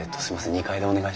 ２階でお願いします。